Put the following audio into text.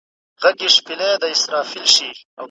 مشران به ټولو ته برابر حقونه ورکوي.